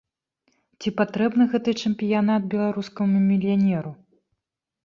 Ці патрэбны гэты чэмпіянат беларускаму мільянеру?